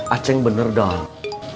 aceh bener dong